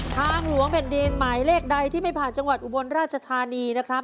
ทางหลวงแผ่นดินหมายเลขใดที่ไม่ผ่านจังหวัดอุบลราชธานีนะครับ